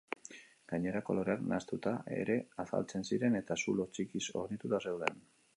Gainera, koloreak nahastuta ere azaltzen ziren eta zulo txikiz hornituta zeuden.